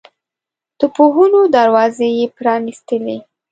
د پوهنو دروازې یې پرانستلې.